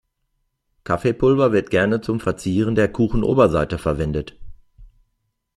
Kaffeepulver wird gerne zum Verzieren der Kuchenoberseite verwendet.